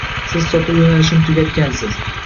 Siz sotuv yoʻnalishini tugatgansiz.